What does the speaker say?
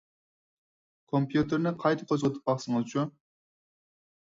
كومپيۇتېرنى قايتا قوزغىتىپ باقسىڭىزچۇ.